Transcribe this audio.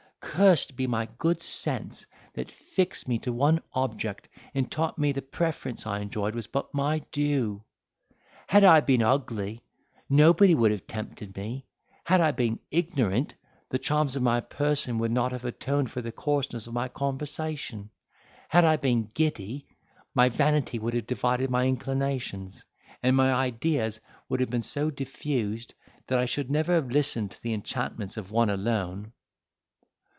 Cursed be my good sense, that fixed me to one object, and taught me the preference I enjoyed was but my due! Had I been ugly, nobody would have tempted me; had I been ignorant, the charms of my person would not have atoned for the coarseness of my conversation; had I been giddy, my vanity would have divided my inclinations, and my ideas would have been so diffused, that I should never have listened to the enchantments of one alone.